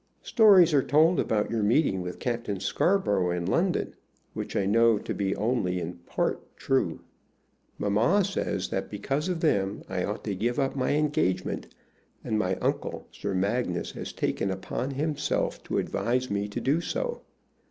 "Stories are told about your meeting with Captain Scarborough in London, which I know to be only in part true. Mamma says that because of them I ought to give up my engagement, and my uncle, Sir Magnus, has taken upon himself to advise me to do so.